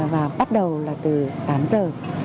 và bắt đầu là từ tám giờ